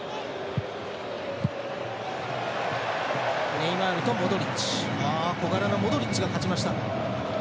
ネイマールとモドリッチ小柄なモドリッチが勝ちました。